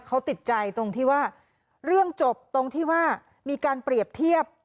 เขาติดใจตรงที่ว่าเรื่องจบตรงที่ว่ามีการเปรียบเทียบ